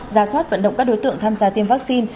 ra soát vận động các đối tượng tham gia tiêm vaccine